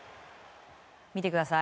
見てください。